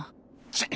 ちっ！